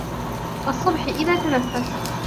وَالصُّبْحِ إِذَا تَنَفَّسَ